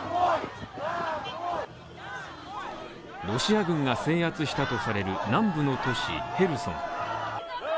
ロシア軍が制圧したとされる南部の都市ヘルソン。